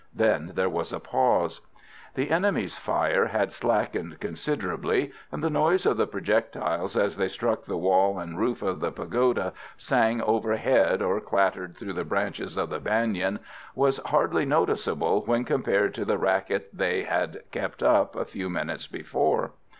Then there was a pause. The enemy's fire had slackened considerably, and the noise of the projectiles as they struck the wall and roof of the pagoda, sang overhead or clattered through the branches of the banyan, was hardly noticeable when compared to the racket they had kept up a few minutes before.